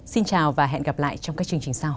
xin chào và hẹn gặp lại trong các chương trình sau